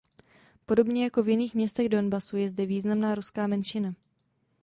Podobně jako v jiných městech Donbasu je zde významná ruská menšina.